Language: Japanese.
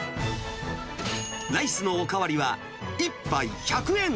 ライスのお代わりは１杯１００円。